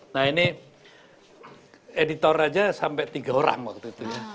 nah ini editor aja sampai tiga orang waktu itu ya